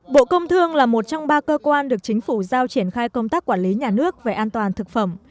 bộ công thương là một trong ba cơ quan được chính phủ giao triển khai công tác quản lý nhà nước về an toàn thực phẩm